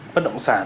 bất động sản